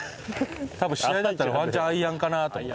多分試合だったらワンチャンアイアンかなと。